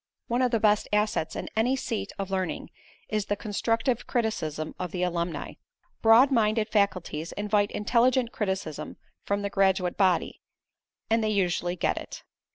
One of the best assets in any seat of learning is the constructive criticism of the alumni. Broad minded faculties invite intelligent criticism from the graduate body, and they usually get it.